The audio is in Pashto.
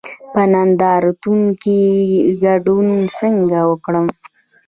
په نندارتونونو کې ګډون څنګه وکړم؟